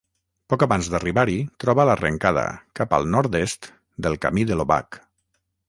Poc abans d'arribar-hi, troba l'arrencada, cap al nord-est, del Camí de l'Obac.